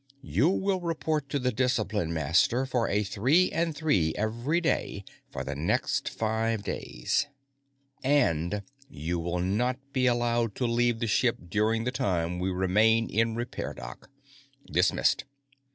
You will report to the Discipline Master for a three and three every day for the next five days. And you will not be allowed to leave the ship during the time we remain in repair dock. Dismissed."